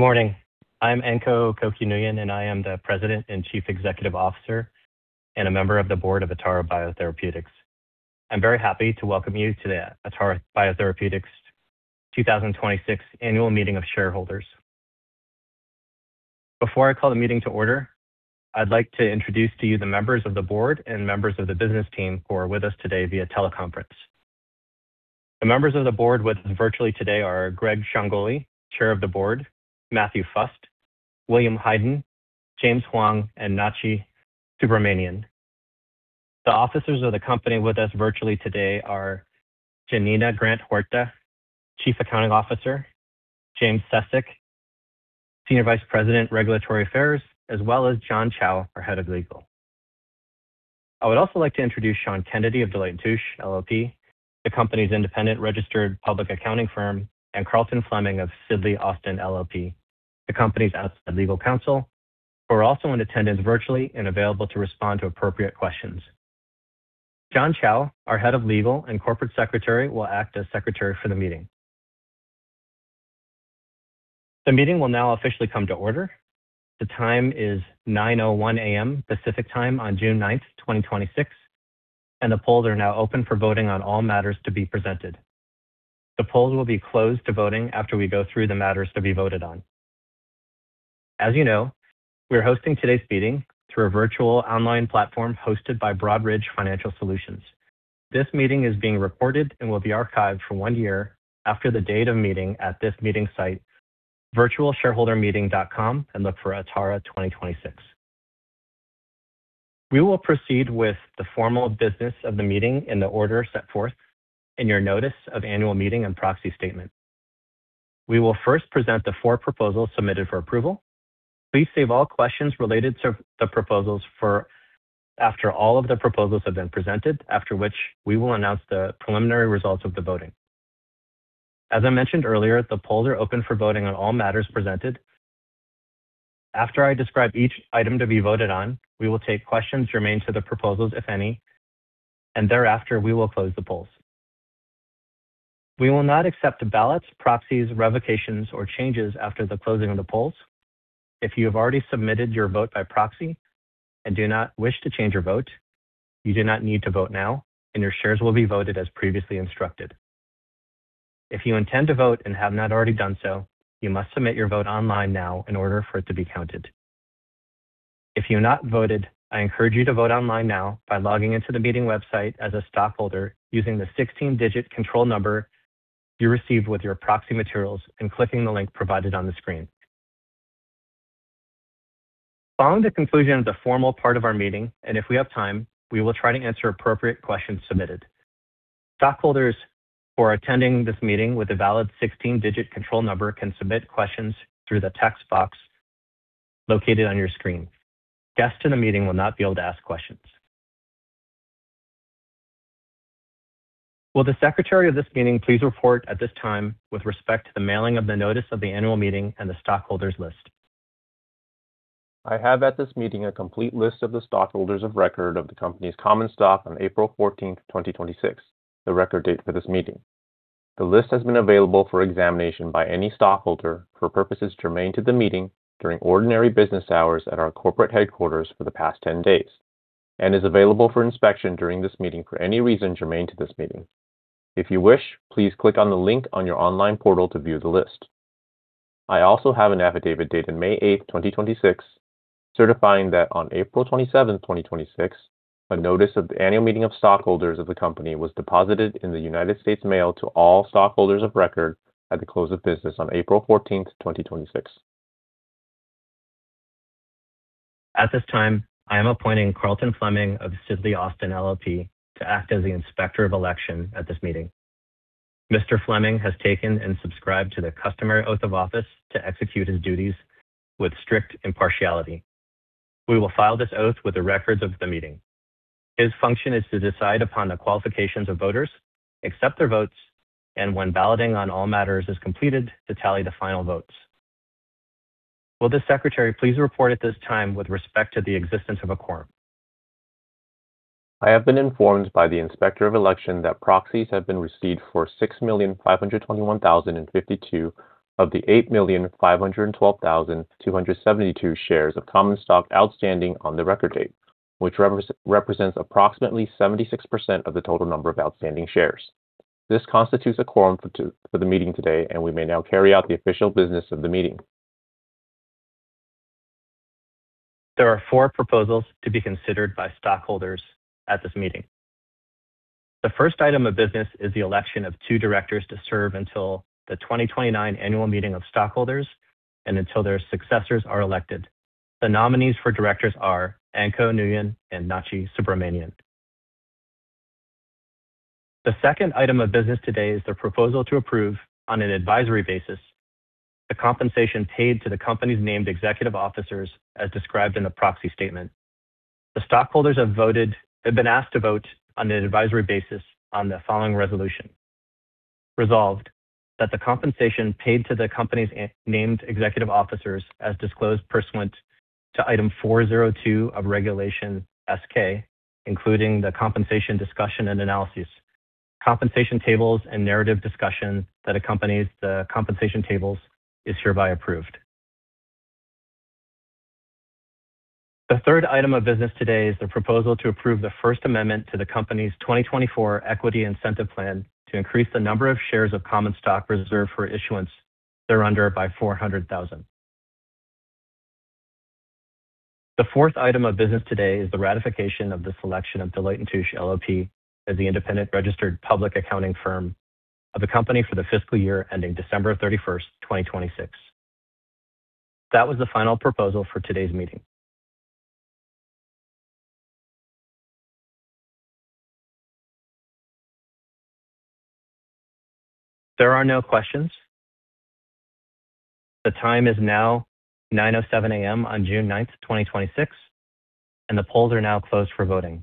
Morning. I'm Anhco Cokey Nguyen, and I am the President and Chief Executive Officer and a member of the board of Atara Biotherapeutics. I'm very happy to welcome you to the Atara Biotherapeutics 2026 Annual Meeting of Shareholders. Before I call the meeting to order, I'd like to introduce to you the members of the board and members of the business team who are with us today via teleconference. The members of the board with us virtually today are Greg Ciangoli, Chair of the Board, Matthew Fust, William Heiden, James Hwang, and Nachi Subramanian. The officers of the company with us virtually today are Yanina Grant-Horta, Chief Accounting Officer, James Cecik, Senior Vice President, Regulatory Affairs, as well as John Chao, our Head of Legal. I would also like to introduce Sean Kennedy of Deloitte & Touche LLP, the company's independent registered public accounting firm, and Carlton Fleming of Sidley Austin LLP, the company's outside legal counsel, who are also in attendance virtually and available to respond to appropriate questions. John Chao, our Head of Legal and Corporate Secretary, will act as secretary for the meeting. The meeting will now officially come to order. The time is 9:01 A.M. Pacific Time on June 9th, 2026. The polls are now open for voting on all matters to be presented. The polls will be closed to voting after we go through the matters to be voted on. As you know, we are hosting today's meeting through a virtual online platform hosted by Broadridge Financial Solutions. This meeting is being recorded and will be archived for one year after the date of meeting at this meeting site, virtualshareholdermeeting.com, and look for Atara 2026. We will proceed with the formal business of the meeting in the order set forth in your notice of annual meeting and proxy statement. We will first present the four proposals submitted for approval. Please save all questions related to the proposals for after all of the proposals have been presented, after which we will announce the preliminary results of the voting. As I mentioned earlier, the polls are open for voting on all matters presented. After I describe each item to be voted on, we will take questions germane to the proposals, if any. Thereafter, we will close the polls. We will not accept ballots, proxies, revocations, or changes after the closing of the polls. If you have already submitted your vote by proxy and do not wish to change your vote, you do not need to vote now. Your shares will be voted as previously instructed. If you intend to vote and have not already done so, you must submit your vote online now in order for it to be counted. If you've not voted, I encourage you to vote online now by logging into the meeting website as a stockholder using the 16-digit control number you received with your proxy materials and clicking the link provided on the screen. Following the conclusion of the formal part of our meeting, if we have time, we will try to answer appropriate questions submitted. Stockholders who are attending this meeting with a valid 16-digit control number can submit questions through the text box located on your screen. Guests to the meeting will not be able to ask questions. Will the secretary of this meeting please report at this time with respect to the mailing of the notice of the annual meeting and the stockholders' list? I have at this meeting a complete list of the stockholders of record of the company's common stock on April 14th, 2026, the record date for this meeting. The list has been available for examination by any stockholder for purposes germane to the meeting during ordinary business hours at our corporate headquarters for the past 10 days and is available for inspection during this meeting for any reason germane to this meeting. If you wish, please click on the link on your online portal to view the list. I also have an affidavit dated May 8th, 2026, certifying that on April 27th, 2026, a notice of the annual meeting of stockholders of the company was deposited in the United States mail to all stockholders of record at the close of business on April 14th, 2026. At this time, I am appointing Carlton Fleming of Sidley Austin LLP to act as the Inspector of Election at this meeting. Mr. Fleming has taken and subscribed to the customary oath of office to execute his duties with strict impartiality. We will file this oath with the records of the meeting. His function is to decide upon the qualifications of voters, accept their votes, and when balloting on all matters is completed, to tally the final votes. Will the secretary please report at this time with respect to the existence of a quorum? I have been informed by the Inspector of Election that proxies have been received for 6,521,052 of the 8,512,272 shares of common stock outstanding on the record date, which represents approximately 76% of the total number of outstanding shares. This constitutes a quorum for the meeting today, and we may now carry out the official business of the meeting. There are four proposals to be considered by stockholders at this meeting. The first item of business is the election of two directors to serve until the 2029 annual meeting of stockholders and until their successors are elected. The nominees for directors are Anhco Nguyen and Nachi Subramanian. The second item of business today is the proposal to approve, on an advisory basis, the compensation paid to the company's named executive officers as described in the proxy statement. The stockholders have been asked to vote on an advisory basis on the following resolution. Resolved, that the compensation paid to the company's named executive officers as disclosed pursuant to Item 402 of Regulation S-K, including the Compensation Discussion and Analysis, Compensation tables and narrative discussion that accompanies the compensation tables is hereby approved. The third item of business today is the proposal to approve the first amendment to the company's 2024 Equity Incentive Plan to increase the number of shares of common stock reserved for issuance thereunder by 400,000. The fourth item of business today is the ratification of the selection of Deloitte & Touche LLP as the independent registered public accounting firm of the company for the fiscal year ending December 31st, 2026. That was the final proposal for today's meeting. There are no questions. The time is now 9:07 A.M. on June 9th, 2026, the polls are now closed for voting.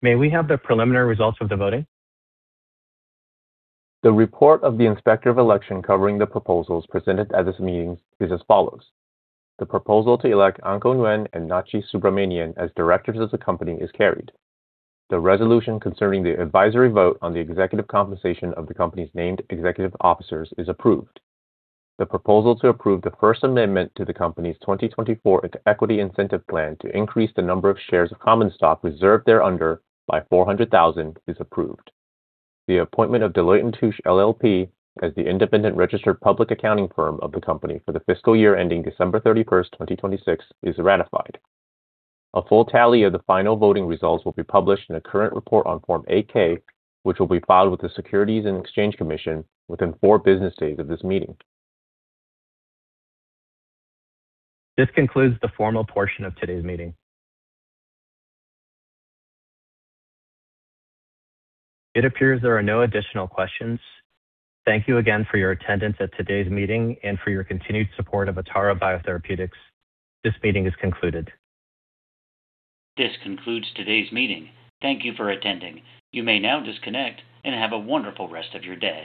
May we have the preliminary results of the voting? The report of the Inspector of Election covering the proposals presented at this meeting is as follows: The proposal to elect Anhco Nguyen and Nachi Subramanian as directors of the company is carried. The resolution concerning the advisory vote on the executive compensation of the company's named executive officers is approved. The proposal to approve the first amendment to the company's 2024 Equity Incentive Plan to increase the number of shares of common stock reserved thereunder by 400,000 is approved. The appointment of Deloitte & Touche LLP as the independent registered public accounting firm of the company for the fiscal year ending December 31st, 2026 is ratified. A full tally of the final voting results will be published in a current report on Form 8-K, which will be filed with the Securities and Exchange Commission within four business days of this meeting. This concludes the formal portion of today's meeting. It appears there are no additional questions. Thank you again for your attendance at today's meeting and for your continued support of Atara Biotherapeutics. This meeting is concluded. This concludes today's meeting. Thank you for attending. You may now disconnect and have a wonderful rest of your day.